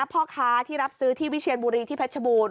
พ่อค้าที่รับซื้อที่วิเชียนบุรีที่เพชรบูรณ